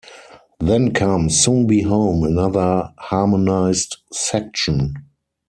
Then comes "Soon Be Home", another harmonised section.